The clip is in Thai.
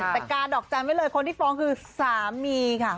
แต่กาดอกจันทร์ไว้เลยคนที่ฟ้องคือสามีค่ะ